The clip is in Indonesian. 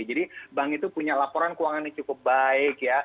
jadi bank itu punya laporan keuangan yang cukup baik